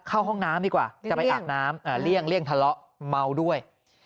เข้าห้องน้ำดีกว่าจะไปอาบน้ำเลี่ยงทะเลาะเมาด้วย